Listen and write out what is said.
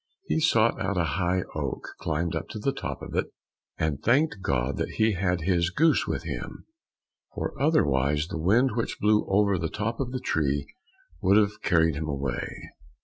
He sought out a high oak, climbed up to the top of it, and thanked God that he had his goose with him, for otherwise the wind which blew over the top of the tree would have carried him away.